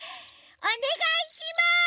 おねがいします！